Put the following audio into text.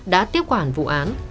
đã tiếp quản vụ án